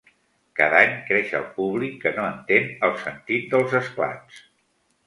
Cada any creix el públic que no entén el sentit dels esclats.